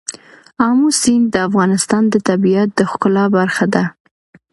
آمو سیند د افغانستان د طبیعت د ښکلا برخه ده.